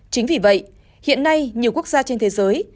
chính vì vậy hiện nay nhiều quốc gia trên thế giới